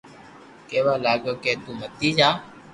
ڪيوا لاگيو ڪي تو متي جا